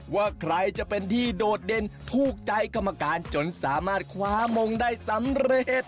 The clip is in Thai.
ว่าใครจะเป็นที่โดดเด่นถูกใจกรรมการจนสามารถคว้ามงได้สำเร็จ